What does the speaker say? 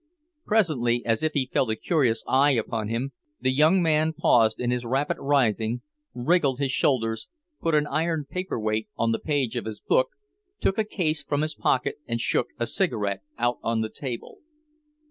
Presently, as if he felt a curious eye upon him, the young man paused in his rapid writing, wriggled his shoulders, put an iron paperweight on the page of his book, took a case from his pocket and shook a cigarette out on the table.